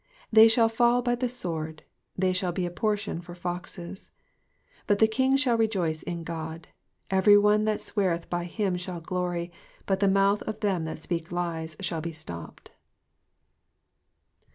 ID They shall fall by the sword : they shall be a portion for foxes. 1 1 But the king shall rejoice in God ; every one that sweareth by him shall glory : but the mouth of them that speak lies shall be stopped.